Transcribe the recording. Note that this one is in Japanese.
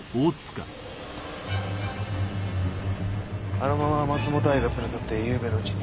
あのまま松本藍が連れ去ってゆうべのうちに。